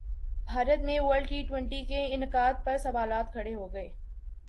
بھارت میں world T twenty کے انعقاد پر سوالات کھڑے ہوگئے